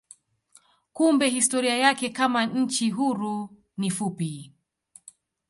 Kumbe historia yake kama nchi huru ni fupi.